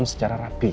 nggak usah lo pikir